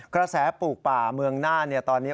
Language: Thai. กระแสปลูกป่าเมืองน่านตอนนี้